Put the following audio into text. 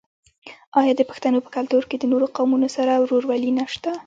آیا د پښتنو په کلتور کې د نورو قومونو سره ورورولي نشته؟